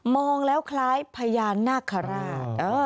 องแล้วคล้ายพญานาคาราช